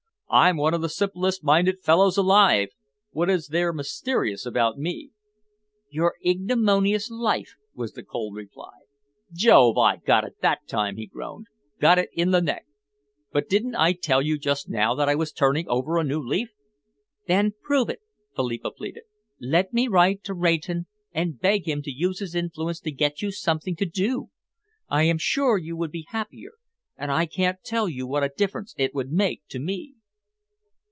"I'm one of the simplest minded fellows alive. What is there mysterious about me?" "Your ignominious life," was the cold reply. "Jove, I got it that time!" he groaned, "got it in the neck! But didn't I tell you just now that I was turning over a new leaf?" "Then prove it," Philippa pleaded. "Let me write to Rayton and beg him to use his influence to get you something to do. I am sure you would be happier, and I can't tell you what a difference it would make to me."